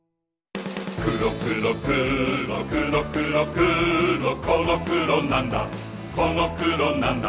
くろくろくろくろくろくろこのくろなんだこのくろなんだ